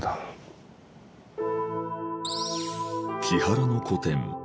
木原の個展